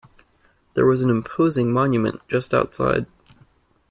There is an imposing monument just outside.